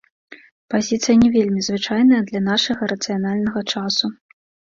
Пазіцыя не вельмі звычайная для нашага рацыянальнага часу.